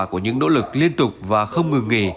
của những nỗ lực liên tục và không ngừng nghỉ